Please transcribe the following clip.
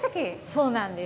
そうなんです。